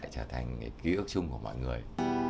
trở thành ký ức chung của mọi người